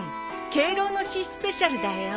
敬老の日スペシャルだよ。